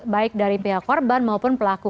baik dari pihak korban maupun pelaku